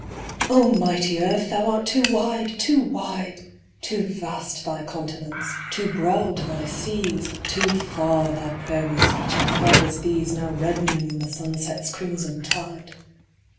O MIGHTY Earth, thou art too wide, to wide ! Too vast thy continents, too broad thy seas, Too far thy prairies stretching fair as these Now reddening in the sunset's crimson tide